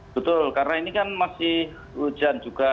betul karena ini kan masih hujan juga